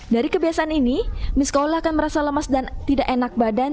dari kebiasaan ini miskaola akan merasa lemas dan tidak enak badan